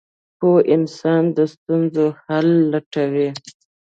• پوه انسان د ستونزو حل لټوي.